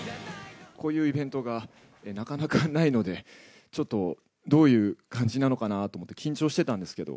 こういうイベントがなかなかないので、ちょっとどういう感じなのかなと思って緊張してたんですけど。